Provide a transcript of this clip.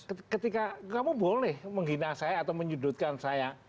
ketika kamu boleh menghina saya atau menyudutkan saya